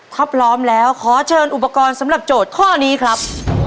ถ้าพร้อมแล้วขอเชิญอุปกรณ์สำหรับโจทย์ข้อนี้ครับ